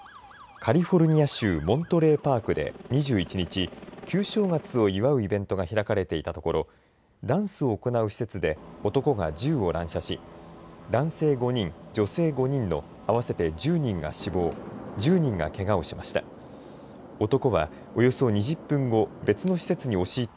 カリフォルニア州モントレーパークで２１日、旧正月を祝うイベントが開かれていたところダンスを行う施設で男が銃を乱射し男性５人、女性５人の合わせて１０人が死亡、１０人がけがをしました。